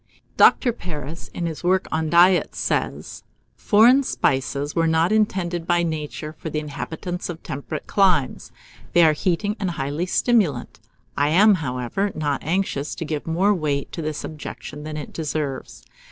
Dr. Paris, in his work on Diet, says, "Foreign spices were not intended by Nature for the inhabitants of temperate climes; they are heating, and highly stimulant. I am, however, not anxious to give more weight to this objection than it deserves.